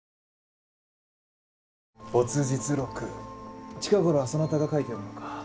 没日録近頃はそなたが書いておるのか？